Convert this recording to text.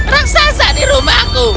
raksasa di rumahku